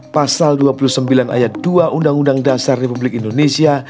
pasal dua puluh sembilan ayat dua undang undang dasar republik indonesia